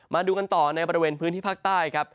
มาดูกันต่อในบริเวณพื้นที่ภาคใต้ครับ